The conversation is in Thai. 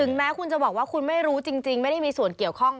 แม้คุณจะบอกว่าคุณไม่รู้จริงไม่ได้มีส่วนเกี่ยวข้อง